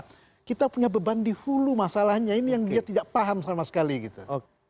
karena kita punya beban di hulu masalahnya ini yang dia tidak paham sama sekali gitu